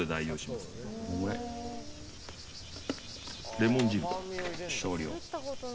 レモン汁少量。